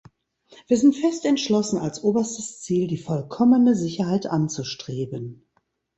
Wir sind fest entschlossen, als oberstes Ziel die vollkommene Sicherheit anzustreben.